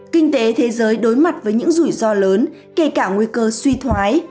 kinh tế thế giới đối mặt với những rủi ro lớn kể cả nguy cơ suy thoái